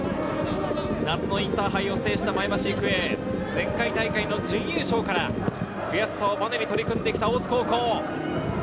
夏のインターハイを制した前橋育英、前回大会の準優勝から悔しさをバネに取り組んできた大津高校。